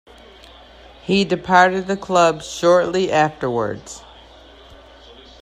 He departed the club shortly afterwards.